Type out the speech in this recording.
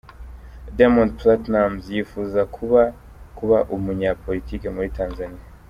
Diamond Platnumz yifuza kuba kuba umunyapolitike muri Tanzania.